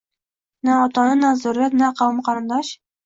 Na ota-ona, na zurriyot, na qavmu qarindosh…